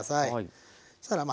そしたらまあ